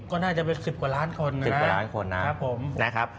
ก็น่าจะเป็น๑๐กว่าล้านคนนะครับ